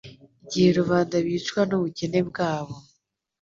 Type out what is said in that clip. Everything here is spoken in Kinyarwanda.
igihe rubanda bicwa n’ubukene bwabo